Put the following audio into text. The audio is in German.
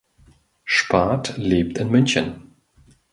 Spath lebt in München.